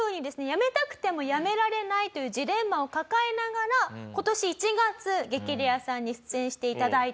やめたくてもやめられないというジレンマを抱えながら今年１月『激レアさん』に出演して頂いたんです。